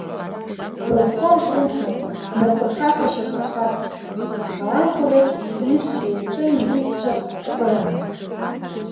Дыҳәҳәон Хьымца, днапырхаха-шьапырхахо, аха ампыл еиԥш иршәра иаҿын иҩызцәа акыраамҭа.